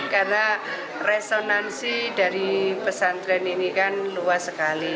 karena resonansi dari pesantren ini kan luas sekali